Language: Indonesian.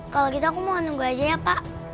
kalau gitu aku mau nunggu aja ya pak